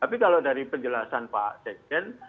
tapi kalau dari penjelasan pak sekjen